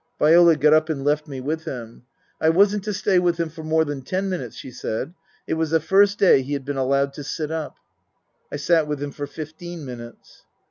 Viola got up and left me with him. I wasn't to stay with him for more than ten minutes, she said. It was the first day he had been allowed to sit up. I sat with him for fifteen minutes.